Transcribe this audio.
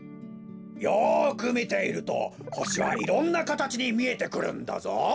よくみているとほしはいろんなかたちにみえてくるんだぞ。